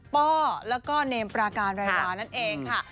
ป้อแล้วก็เนมปราการรายวานั่นเองค่ะ